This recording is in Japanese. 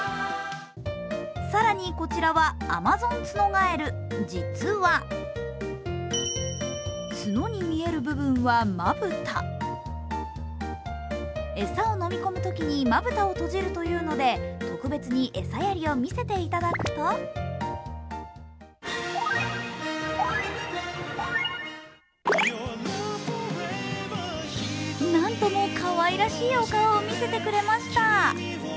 更に、こちらはアマゾンツノガエル実は餌を飲み込むときにまぶたを閉じるというので特別に餌やりを見せていただくとなんともかわいらしいお顔を見せてくれました。